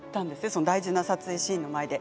その大事な撮影シーンの前で。